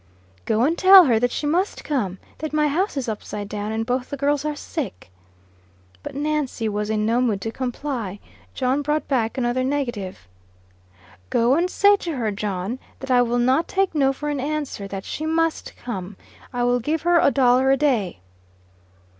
"Go and tell her that she must come. That my house is upside down, and both the girls are sick." But Nancy was in no mood to comply. John brought back another negative. "Go and say to her, John, that I will not take no for an answer: that she must come. I will give her a dollar a day."